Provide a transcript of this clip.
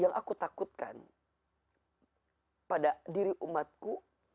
yang aku takutkan pada diri umatku